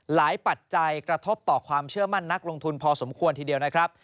ปัจจัยกระทบต่อความเชื่อมั่นนักลงทุนพอสมควรทีเดียวนะครับ